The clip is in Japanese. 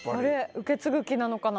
受け継ぐ気なのかな。